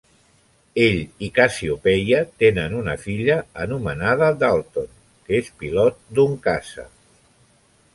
Ell i Cassiopeia tenen una filla anomenada Dalton, que és pilot d'un caça.